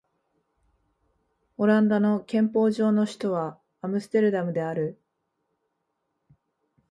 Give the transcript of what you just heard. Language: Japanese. オランダの憲法上の首都はアムステルダムである